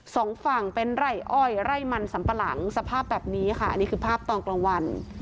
สองฝั่งเป็นไร่อ้อยไร่มันสัมปะหลังสภาพแบบนี้ค่ะอันนี้คือภาพตอนกลางวัน